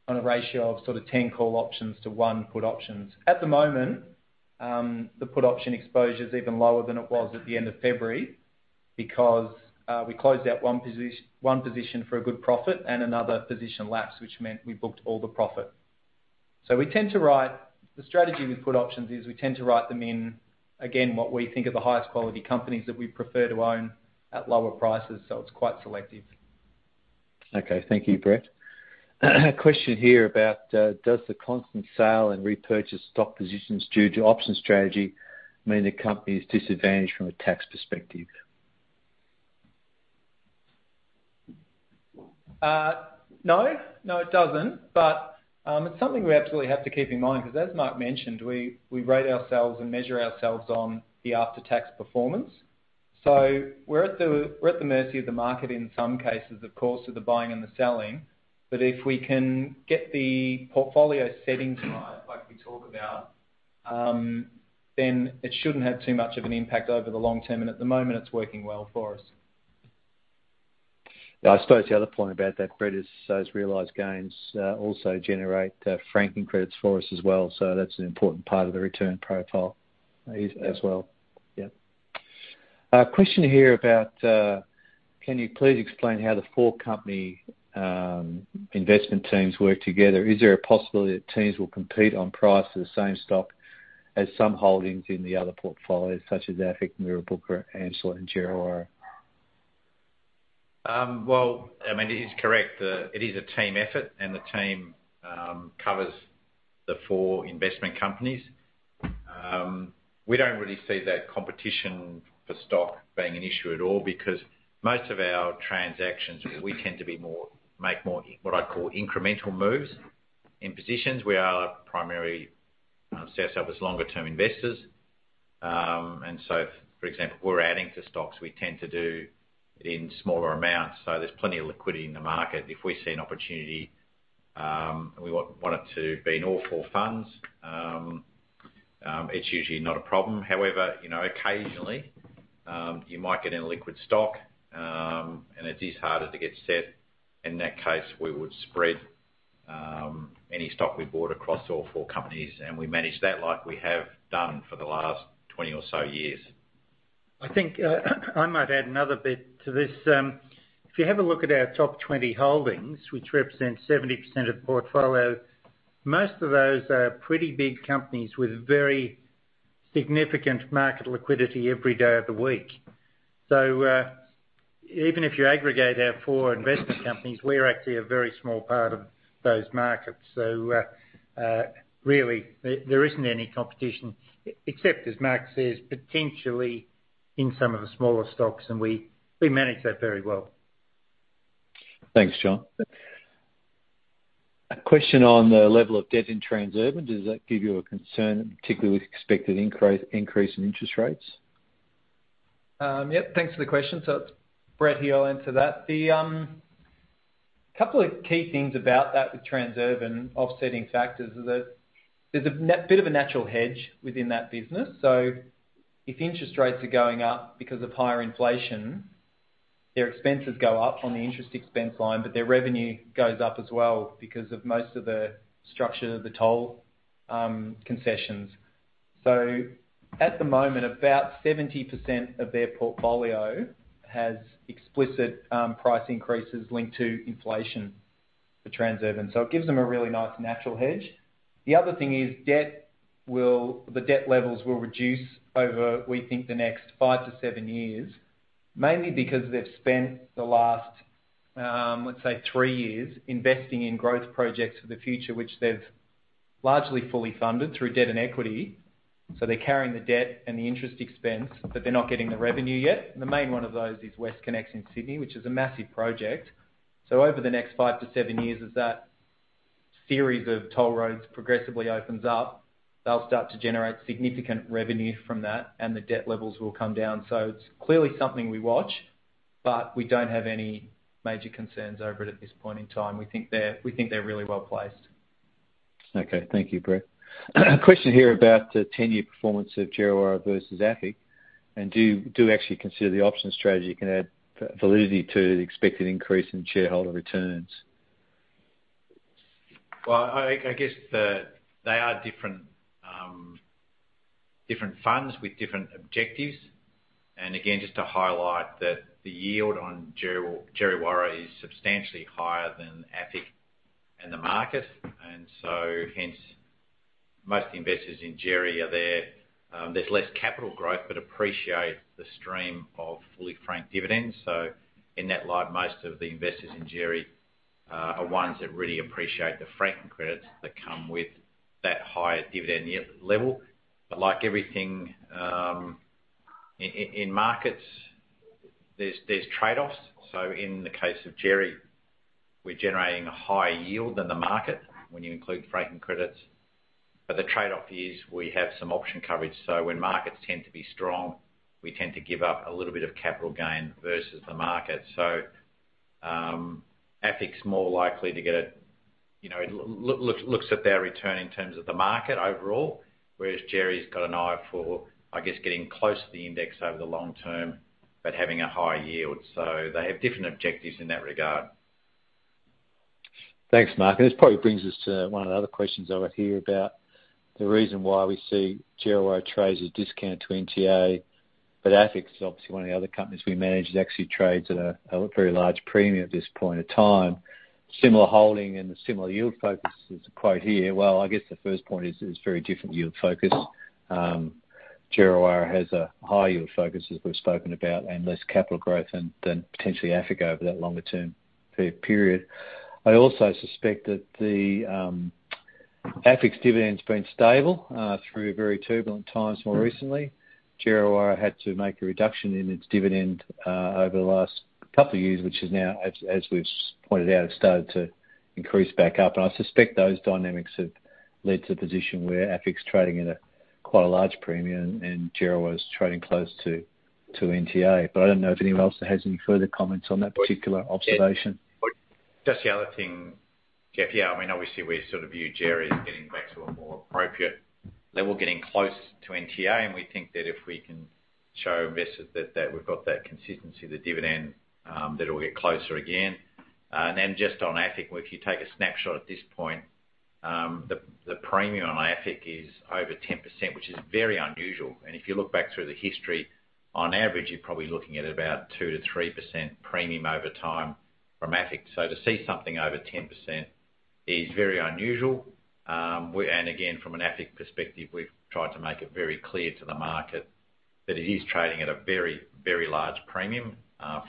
on a ratio of sort of 10 call options to one put option. At the moment, the put option exposure is even lower than it was at the end of February because we closed out one position for a good profit and another position lapsed, which meant we booked all the profit. We tend to write the strategy with put options is we tend to write them in, again, what we think are the highest quality companies that we prefer to own at lower prices, so it's quite selective. Okay, thank you, Brett. A question here about, does the constant sale and repurchase stock positions due to option strategy mean the company is disadvantaged from a tax perspective? No. No, it doesn't. It's something we absolutely have to keep in mind because as Mark mentioned, we rate ourselves and measure ourselves on the after-tax performance. We're at the mercy of the market in some cases, of course, of the buying and the selling. If we can get the portfolio settings right, like we talk about, then it shouldn't have too much of an impact over the long term. At the moment, it's working well for us. Yeah. I suppose the other point about that, Brett, is those realized gains also generate franking credits for us as well. That's an important part of the return profile as well. Yeah. Question here about can you please explain how the four company investment teams work together? Is there a possibility that teams will compete on price of the same stock as some holdings in the other portfolios, such as AFIC, Mirrabooka, Ansell and Djerriwarrh? Well, I mean, it is correct. It is a team effort, and the team covers the four investment companies. We don't really see that competition for stock being an issue at all because most of our transactions, we tend to make more what I call incremental moves in positions. We primarily see ourselves as longer-term investors. For example, if we're adding to stocks, we tend to do in smaller amounts, so there's plenty of liquidity in the market. If we see an opportunity, and we want it to be in all four funds, it's usually not a problem. However, you know, occasionally, you might get an illiquid stock, and it is harder to get set. In that case, we would spread any stock we bought across all four companies, and we manage that like we have done for the last 20 or so years. I think I might add another bit to this. If you have a look at our top 20 holdings, which represents 70% of the portfolio, most of those are pretty big companies with very significant market liquidity every day of the week. Even if you aggregate our four investment companies, we're actually a very small part of those markets. Really, there isn't any competition, except as Mark says, potentially in some of the smaller stocks, and we manage that very well. Thanks, John. A question on the level of debt in Transurban. Does that give you a concern, particularly with expected increase in interest rates? Yeah. Thanks for the question. It's Brett here. I'll answer that. The couple of key things about that with Transurban offsetting factors is that there's a bit of a natural hedge within that business. If interest rates are going up because of higher inflation. Their expenses go up on the interest expense line, but their revenue goes up as well because of most of the structure of the toll concessions. At the moment, about 70% of their portfolio has explicit price increases linked to inflation for Transurban. It gives them a really nice natural hedge. The other thing is the debt levels will reduce over, we think, the next five-seven years, mainly because they've spent the last, let's say, three years investing in growth projects for the future, which they've largely fully funded through debt and equity. They're carrying the debt and the interest expense, but they're not getting the revenue yet. The main one of those is WestConnex in Sydney, which is a massive project. Over the next five-seven years, as that series of toll roads progressively opens up, they'll start to generate significant revenue from that and the debt levels will come down. It's clearly something we watch, but we don't have any major concerns over it at this point in time. We think they're really well-placed. Okay. Thank you, Brett. Question here about the 10-year performance of Djerriwarrh versus AFIC, and do you actually consider the option strategy can add validity to the expected increase in shareholder returns? I guess that they are different funds with different objectives. Again, just to highlight that the yield on Djerriwarrh is substantially higher than AFIC and the market. Hence, most investors in Djerriwarrh are there. There's less capital growth. They appreciate the stream of fully franked dividends. In that light, most of the investors in Djerriwarrh are ones that really appreciate the franking credits that come with that higher dividend level. Like everything, in markets, there's trade-offs. In the case of Djerriwarrh, we're generating a higher yield than the market when you include franking credits. The trade-off is we have some option coverage. When markets tend to be strong, we tend to give up a little bit of capital gain versus the market AFIC's more likely to get a, you know, looks at their return in terms of the market overall, whereas Djerriwarrh's got an eye for, I guess, getting close to the index over the long term, but having a higher yield. They have different objectives in that regard. Thanks, Mark. This probably brings us to one of the other questions over here about the reason why we see DJW trades a discount to NTA. AFIC is obviously one of the other companies we manage. It actually trades at a very large premium at this point in time. Similar holding and the similar yield focus is a quote here. Well, I guess the first point is very different yield focus. Djerriwarrh has a high yield focus, as we've spoken about, and less capital growth than potentially AFIC over that longer-term period. I also suspect that the AFIC's dividend's been stable through very turbulent times more recently. Djerriwarrh had to make a reduction in its dividend over the last couple of years, which has now, as we've pointed out, started to increase back up. I suspect those dynamics have led to the position where AFIC's trading at quite a large premium and Djerriwarrh's trading close to NTA. I don't know if anyone else has any further comments on that particular observation. Just the other thing, Jeff. Yeah, I mean, obviously, we sort of view Djerriwarrh as getting back to a more appropriate level, getting close to NTA, and we think that if we can show investors that we've got that consistency, the dividend, that it will get closer again. Just on AFIC, if you take a snapshot at this point, the premium on AFIC is over 10%, which is very unusual. If you look back through the history, on average, you're probably looking at about 2-3% premium over time from AFIC. To see something over 10% is very unusual. Again, from an AFIC perspective, we've tried to make it very clear to the market that it is trading at a very, very large premium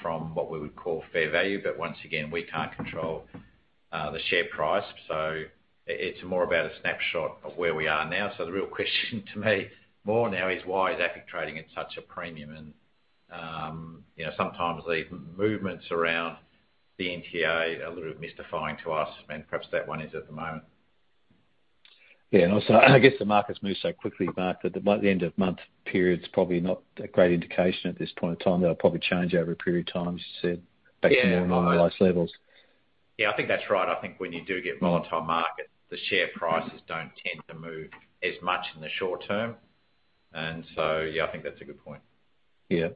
from what we would call fair value. Once again, we can't control the share price. It's more about a snapshot of where we are now. The real question to me more now is why is AFIC trading at such a premium? You know, sometimes the movements around the NTA are a little bit mystifying to us, and perhaps that one is at the moment. Yeah. Also, I guess the markets move so quickly, Mark, that the end of month period's probably not a great indication at this point in time. That'll probably change over a period of time, as you said. Yeah. Back to more normalized levels. Yeah, I think that's right. I think when you do get volatile markets, the share prices don't tend to move as much in the short term. Yeah, I think that's a good point. I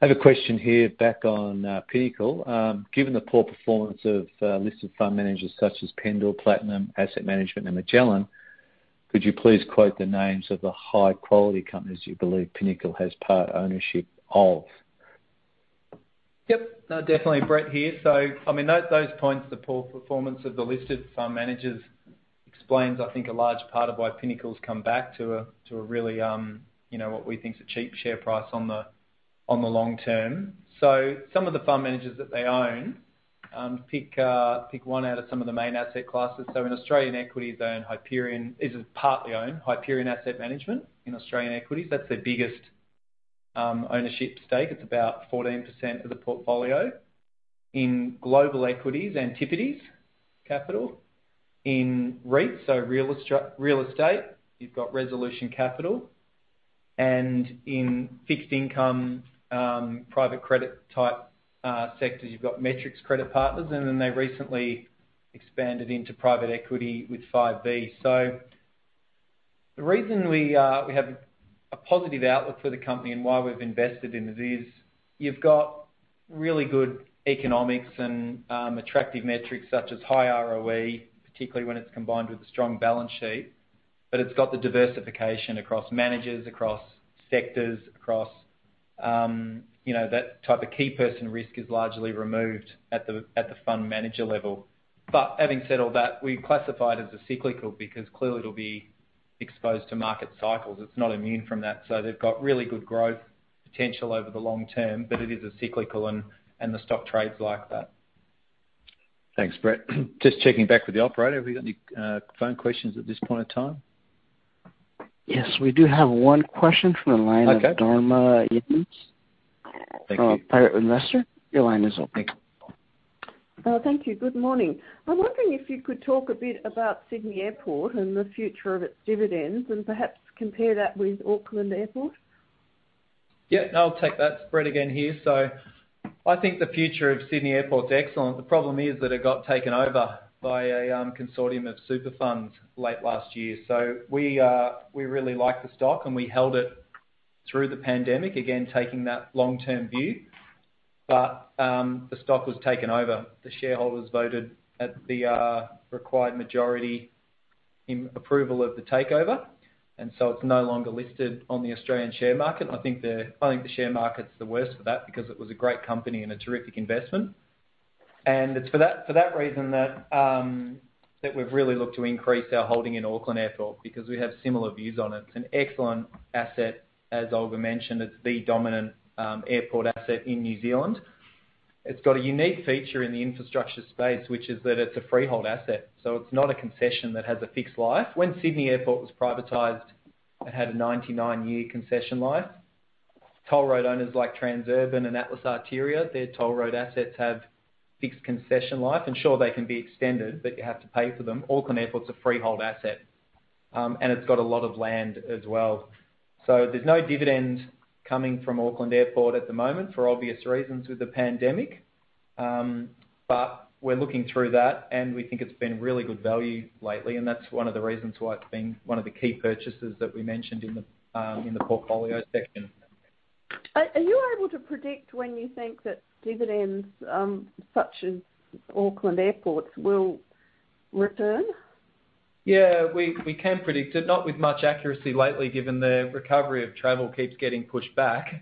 have a question here back on Pinnacle. Given the poor performance of listed fund managers such as Pendal, Platinum Asset Management and Magellan, could you please quote the names of the high-quality companies you believe Pinnacle has part ownership of? Yep. No, definitely. Brett here. I mean, those points, the poor performance of the listed fund managers explains, I think, a large part of why Pinnacle's come back to a really, you know, what we think is a cheap share price on the long term. Some of the fund managers that they own, pick one out of some of the main asset classes. In Australian equities, they own Hyperion Asset Management. That's their biggest ownership stake. It's about 14% of the portfolio. In global equities, Antipodes Partners. In REIT, so real estate, you've got Resolution Capital. And in fixed income, private credit type sectors, you've got Metrics Credit Partners, and then they recently expanded into private equity with Five V Capital. The reason we have a positive outlook for the company and why we've invested in it is you've got really good economics and attractive metrics such as high ROE, particularly when it's combined with a strong balance sheet. It's got the diversification across managers, across sectors, across that type of key person risk is largely removed at the fund manager level. Having said all that, we classify it as a cyclical because clearly it'll be exposed to market cycles. It's not immune from that. They've got really good growth potential over the long term, but it is a cyclical and the stock trades like that. Thanks, Brett. Just checking back with the operator. Have we got any phone questions at this point in time? Yes, we do have one question from the line. Okay of Dharma Jens. Thank you. From Private Investor. Your line is open. Thank you. Thank you. Good morning. I'm wondering if you could talk a bit about Sydney Airport and the future of its dividends, and perhaps compare that with Auckland Airport. Yeah, I'll take that. It's Brett again here. I think the future of Sydney Airport's excellent. The problem is that it got taken over by a consortium of super funds late last year. We really like the stock, and we held it through the pandemic, again, taking that long-term view. The stock was taken over. The shareholders voted at the required majority in approval of the takeover, and so it's no longer listed on the Australian share market. I think the share market's the worst for that because it was a great company and a terrific investment. It's for that reason that we've really looked to increase our holding in Auckland Airport because we have similar views on it. It's an excellent asset, as Olga mentioned. It's the dominant airport asset in New Zealand. It's got a unique feature in the infrastructure space, which is that it's a freehold asset, so it's not a concession that has a fixed life. When Sydney Airport was privatized, it had a 99-year concession life. Toll road owners like Transurban and Atlas Arteria, their toll road assets have fixed concession life. Sure, they can be extended, but you have to pay for them. Auckland Airport's a freehold asset. It's got a lot of land as well. There's no dividend coming from Auckland Airport at the moment for obvious reasons with the pandemic. We're looking through that, and we think it's been really good value lately, and that's one of the reasons why it's been one of the key purchases that we mentioned in the portfolio section. Are you able to predict when you think that dividends, such as Auckland Airport's, will return? Yeah, we can predict it, not with much accuracy lately, given the recovery of travel keeps getting pushed back.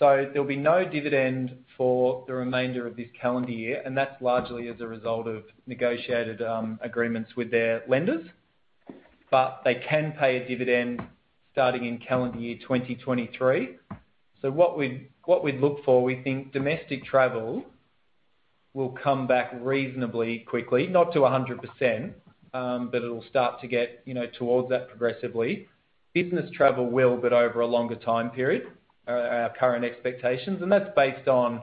There'll be no dividend for the remainder of this calendar year, and that's largely as a result of negotiated agreements with their lenders. They can pay a dividend starting in calendar year 2023. What we'd look for, we think domestic travel will come back reasonably quickly. Not to 100%, but it'll start to get, you know, towards that progressively. Business travel will, but over a longer time period than our current expectations, and that's based on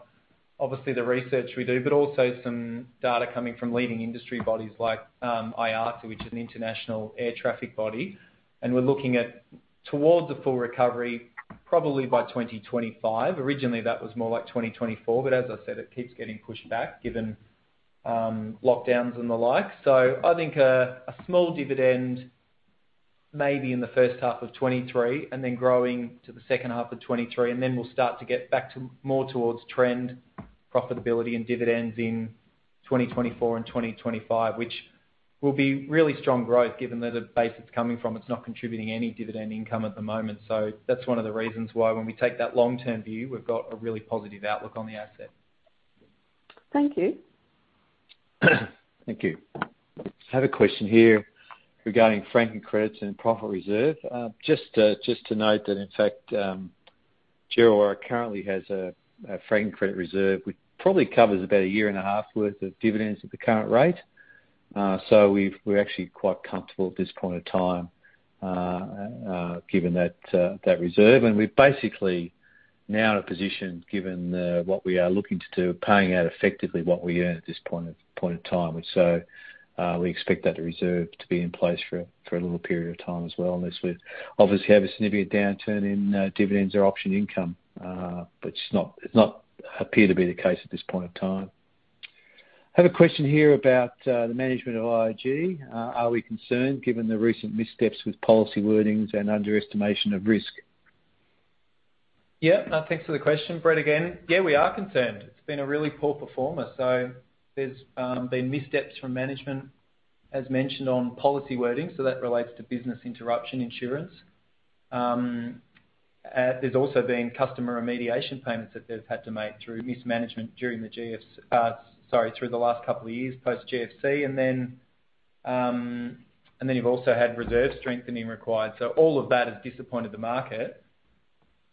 obviously the research we do, but also some data coming from leading industry bodies like IATA, which is an international air traffic body. We're looking towards a full recovery probably by 2025. Originally, that was more like 2024, but as I said, it keeps getting pushed back given lockdowns and the like. I think a small dividend maybe in the H1 of 2023 and then growing to the H2 of 2023, and then we'll start to get back to more towards trend profitability and dividends in 2024 and 2025, which will be really strong growth given that the base it's coming from, it's not contributing any dividend income at the moment. That's one of the reasons why when we take that long-term view, we've got a really positive outlook on the asset. Thank you. Thank you. I have a question here regarding franking credits and profit reserve. Just to note that, in fact, General Oil currently has a franking credit reserve, which probably covers about a year and a half worth of dividends at the current rate. We're actually quite comfortable at this point in time, given that reserve. We're basically now in a position, given what we are looking to do, paying out effectively what we earn at this point in time. We expect that reserve to be in place for a little period of time as well, unless we obviously have a significant downturn in dividends or option income. It doesn't appear to be the case at this point in time. I have a question here about the management of IAG. Are we concerned given the recent missteps with policy wordings and underestimation of risk? Yeah. No, thanks for the question. Brett again. Yeah, we are concerned. It's been a really poor performer. There's been missteps from management, as mentioned on policy wording, so that relates to business interruption insurance. There's also been customer remediation payments that they've had to make through mismanagement during the last couple of years post GFC. Then you've also had reserve strengthening required. All of that has disappointed the market.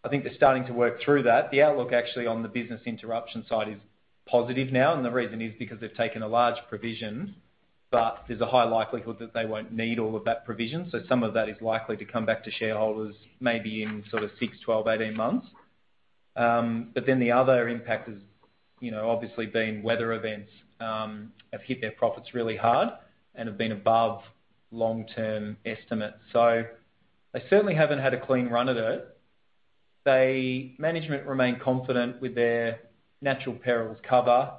I think they're starting to work through that. The outlook actually on the business interruption side is positive now, and the reason is because they've taken a large provision, but there's a high likelihood that they won't need all of that provision. So some of that is likely to come back to shareholders maybe in sort of six, 12, 18 months. The other impact has, you know, obviously been weather events, have hit their profits really hard and have been above long-term estimates. They certainly haven't had a clean run of it. The management remain confident with their natural perils cover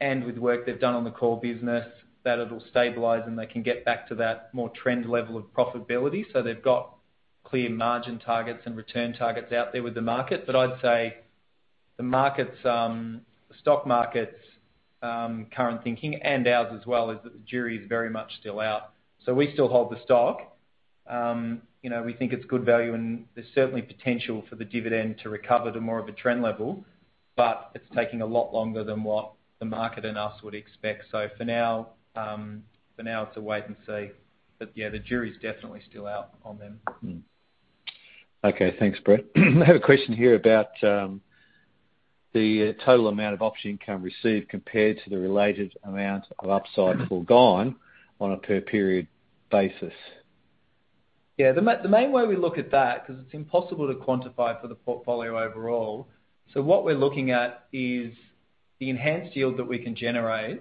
and with work they've done on the core business, that it'll stabilize and they can get back to that more trend level of profitability. They've got clear margin targets and return targets out there with the market. I'd say the markets, the stock market's, current thinking and ours as well, is that the jury is very much still out. We still hold the stock. You know, we think it's good value, and there's certainly potential for the dividend to recover to more of a trend level. It's taking a lot longer than what the market and us would expect. For now, it's a wait and see. Yeah, the jury's definitely still out on them. Okay, thanks, Brett. I have a question here about the total amount of option income received compared to the related amount of upside forgone on a per period basis. Yeah. The main way we look at that, 'cause it's impossible to quantify for the portfolio overall, so what we're looking at is the enhanced yield that we can generate,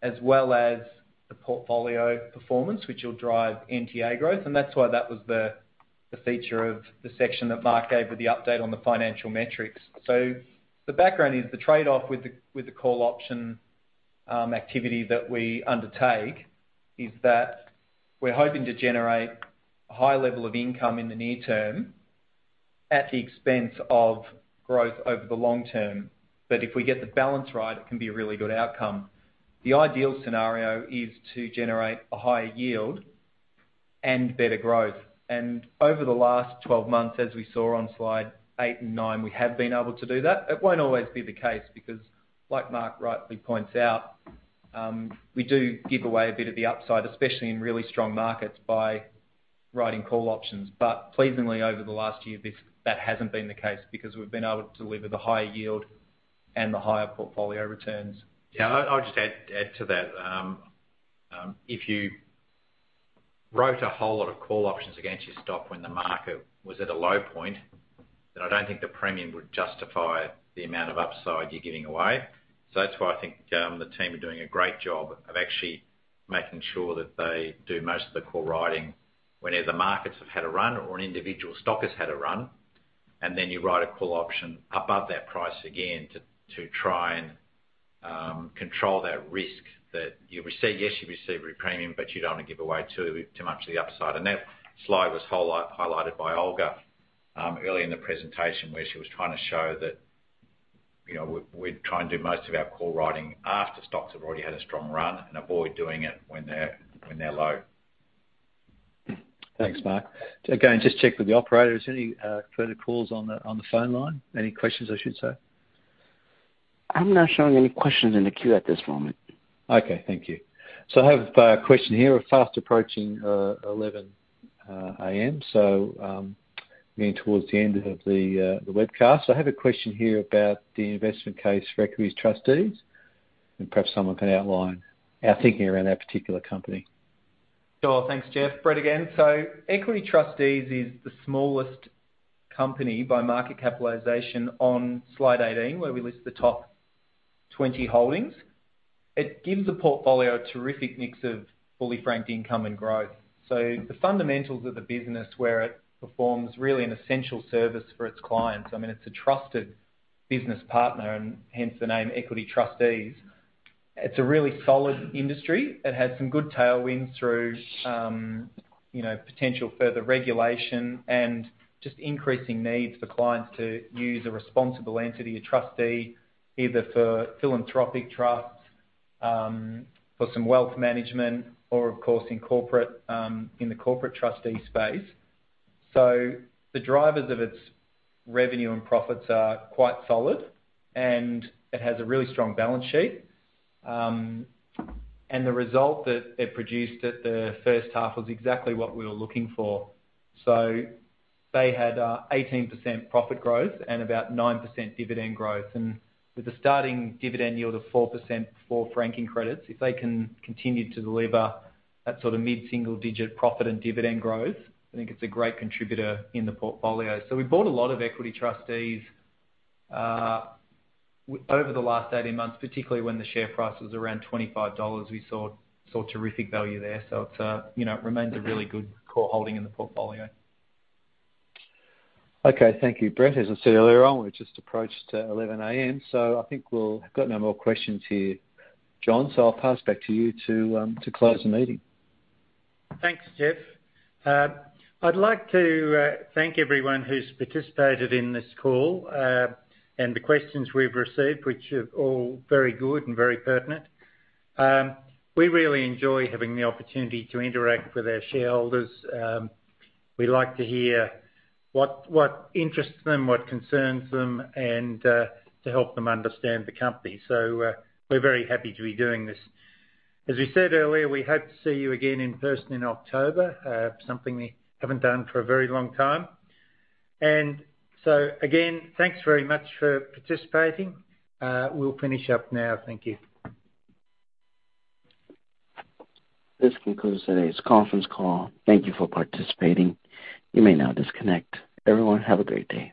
as well as the portfolio performance, which will drive NTA growth, and that's why that was the feature of the section that Mark gave with the update on the financial metrics. The background is the trade-off with the call option activity that we undertake is that we're hoping to generate a high level of income in the near term at the expense of growth over the long term. If we get the balance right, it can be a really good outcome. The ideal scenario is to generate a high yield and better growth. Over the last 12 months, as we saw on slide 8 and 9, we have been able to do that. It won't always be the case because like Mark rightly points out, we do give away a bit of the upside, especially in really strong markets, by writing call options. Pleasingly over the last year, that hasn't been the case because we've been able to deliver the higher yield and the higher portfolio returns. Yeah. I'll just add to that. If you wrote a whole lot of call options against your stock when the market was at a low point, then I don't think the premium would justify the amount of upside you're giving away. That's why I think the team are doing a great job of actually making sure that they do most of the call writing whenever the markets have had a run or an individual stock has had a run, and then you write a call option above that price again to try and control that risk that you receive. Yes, you receive a premium, but you don't want to give away too much of the upside. That slide was highlighted by Olga earlier in the presentation, where she was trying to show that, you know, we're trying to do most of our call writing after stocks have already had a strong run and avoid doing it when they're low. Thanks, Mark. Again, just check with the operator. Is there any further calls on the phone line? Any questions, I should say. I'm not showing any questions in the queue at this moment. Okay, thank you. I have a question here. We're fast approaching 11 A.M., leaning towards the end of the webcast. I have a question here about the investment case for Equity Trustees, and perhaps someone can outline our thinking around that particular company. Sure. Thanks, Jeff. Brett again. Equity Trustees is the smallest company by market capitalization on slide 18, where we list the top 20 holdings. It gives the portfolio a terrific mix of fully franked income and growth. The fundamentals of the business, where it performs really an essential service for its clients, I mean, it's a trusted business partner and hence the name Equity Trustees. It's a really solid industry. It has some good tailwinds through, you know, potential further regulation and just increasing needs for clients to use a responsible entity, a trustee, either for philanthropic trusts, for some wealth management or of course in corporate, in the corporate trustee space. The drivers of its revenue and profits are quite solid, and it has a really strong balance sheet. The result that it produced at the H1 was exactly what we were looking for. They had 18% profit growth and about 9% dividend growth. With the starting dividend yield of 4% before franking credits, if they can continue to deliver that sort of mid-single digit profit and dividend growth, I think it's a great contributor in the portfolio. We bought a lot of Equity Trustees over the last 18 months, particularly when the share price was around 25 dollars. We saw terrific value there. It's, you know, it remains a really good core holding in the portfolio. Okay. Thank you, Brett. As I said earlier on, we've just approached 11 A.M., so I think I've got no more questions here, John, so I'll pass back to you to close the meeting. Thanks, Jeff. I'd like to thank everyone who's participated in this call and the questions we've received, which are all very good and very pertinent. We really enjoy having the opportunity to interact with our shareholders. We like to hear what interests them, what concerns them, and to help them understand the company. We're very happy to be doing this. As we said earlier, we hope to see you again in person in October, something we haven't done for a very long time. Again, thanks very much for participating. We'll finish up now. Thank you. This concludes today's conference call. Thank you for participating. You may now disconnect. Everyone, have a great day.